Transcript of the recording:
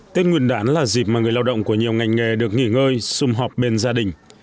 tết nguyên đán là dịp mà người lao động của nhiều ngành nghề được nghỉ ngơi xung họp bên gia đình